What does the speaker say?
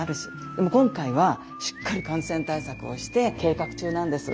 でも今回はしっかり感染対策をして計画中なんです。